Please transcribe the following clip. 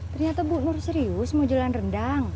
ternyata bu nur serius mau jalan rendang